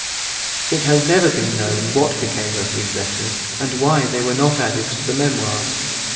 It has never been known what became of these letters, and why they were not added to the Memoirs.